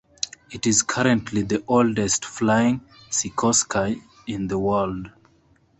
It is currently the oldest flying Sikorsky in the world.